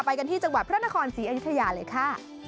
ไปกันที่จังหวัดพระนครศรีอยุธยาเลยค่ะ